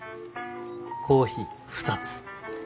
コーヒー２つ。